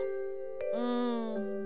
うん。